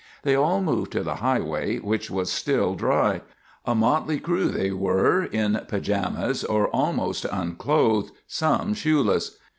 They all moved to the highway, which was still dry. A motley crew they were, in pajamas, or almost unclothed, some shoeless.